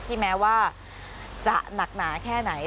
แม้ว่าจะหนักหนาแค่ไหน